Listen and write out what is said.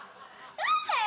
何だよ！